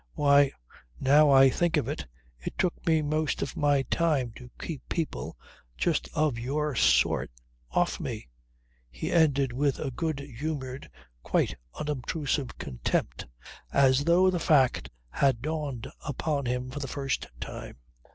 "Why, now I think of it, it took me most of my time to keep people, just of your sort, off me," he ended with a good humoured quite unobtrusive, contempt, as though the fact had dawned upon him for the first time.